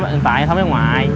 anh tại em sống ở ngoài